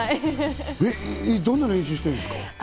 どんな練習してるんですか？